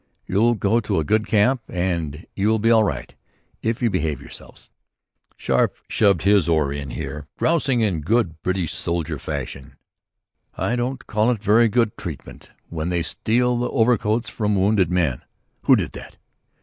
"You'll go to a good camp and you'll be all right if you behave yourselves." Scarfe shoved in his oar here, grousing in good British soldier fashion: "I don't call it very good treatment when they steal the overcoats from wounded men." "Who did that?"